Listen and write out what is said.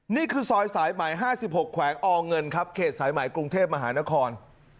นี่คือซอยสายใหม่๕๖แขวงอเงินครับเขตสายใหม่กรุงเทพมหานคร